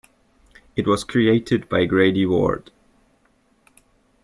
It was created by Grady Ward.